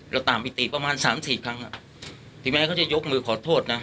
แล้วตามอิติประมาณ๓๔ครั้งทีแม้เขาจะยกมือขอโทษนะ